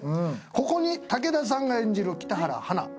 ここに武田さんが演じる北原華。